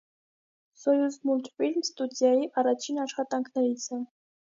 «Սոյուզմուլտֆիլմ» ստուդիայի առաջին աշխատանքներից է։